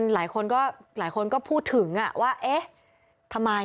หลายคนก็พูดถึงว่าทำไม